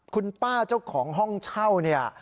คุณป้าเจ้าของห้องเช่าเนี่ย